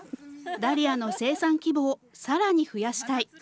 ダリアの生産規模をさらに増やしたい。